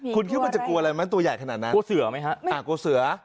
คุณคิดว่ามันจะกลัวอะไรไหมตัวใหญ่ขนาดนั้นกลัวเสือไหมฮะกลัวเสือ